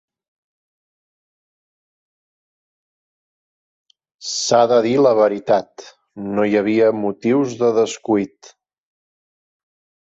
S'ha de dir la veritat, no hi havia motius de descuit.